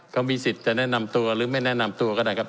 เขามีสิทธิ์จะแนะนำตัวหรือไม่แนะนำตัวก็ได้ครับ